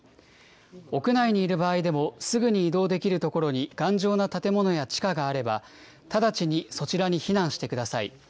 屋内にいる場合でも、すぐに移動できる所に頑丈な建物や地下があれば、直ちにそちらに避難してください。